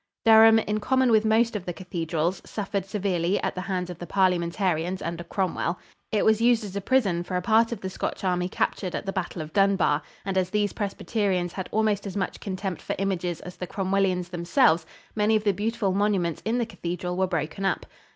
Durham, in common with most of the cathedrals, suffered severely at the hands of the Parliamentarians under Cromwell. It was used as a prison for a part of the Scotch army captured at the battle of Dunbar, and as these Presbyterians had almost as much contempt for images as the Cromwellians themselves, many of the beautiful monuments in the cathedral were broken up.